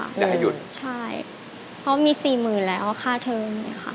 อยากให้หยุดใช่เพราะมี๔๐๐๐๐แล้วค่าเทิม